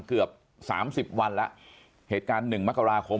เกือบ๓๐วันแล้วเหตุการณ์๑มกราคม